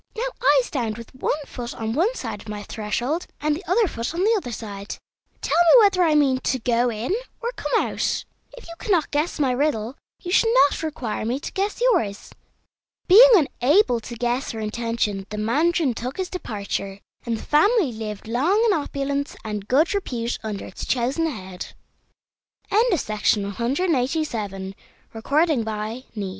Now I stand with one foot on one side my threshold and the other foot on the other side; tell me whether I mean to go in or come out. If you cannot guess my riddle, you should not require me to guess yours." Being unable to guess her intention the mandarin took his departure, and the family lived long in opulence and good repute under its chosen head. A DREADFUL BOAR A poor old woman who lived wi